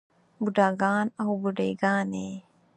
بوډاګان او بوډے ګانے